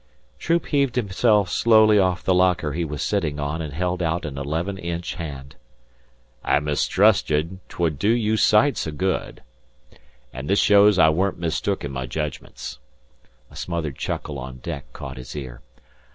Troop heaved himself slowly off the locker he was sitting on and held out an eleven inch hand. "I mistrusted 'twould do you sights o' good; an' this shows I weren't mistook in my jedgments." A smothered chuckle on deck caught his ear.